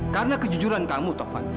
karena kejujuran kamu tovan